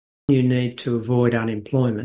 anda perlu mengelakkan pekerjaan